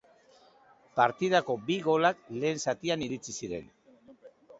Partidako bi golak lehen zatian iritsi ziren.